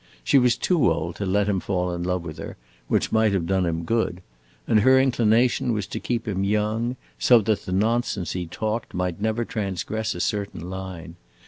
She was too old to let him fall in love with her, which might have done him good; and her inclination was to keep him young, so that the nonsense he talked might never transgress a certain line.